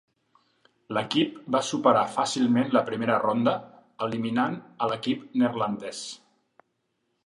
L'equip va superar fàcilment la primera ronda eliminant a l'equip neerlandès.